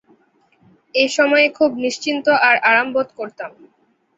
এ সময়ে খুব নিশ্চিন্ত আর আরামবোধ করতাম।